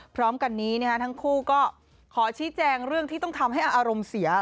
พร้อมกันนี้ทั้งคู่ก็ขอชี้แจงเรื่องที่ต้องทำให้อารมณ์เสีย